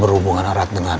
berhubungan erat dengan